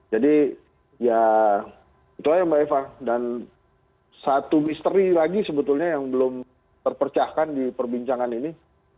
jadi ya itulah ya mbak eva dan satu misteri lagi sebetulnya yang belum terpercahkan di perbincangan ini